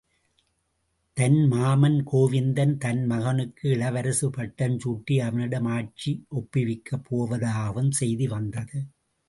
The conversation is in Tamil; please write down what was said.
தன் மாமன் கோவிந்தன் தன் மகனுக்கு இளவரசு பட்டம் சூட்டி அவனிடம் ஆட்சி ஒப்புவிக்கப் போவதாகவும் செய்தி வந்தது.